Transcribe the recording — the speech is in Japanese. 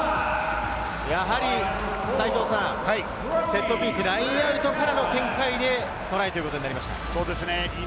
セットピース、ラインアウトからの展開でトライとなりました。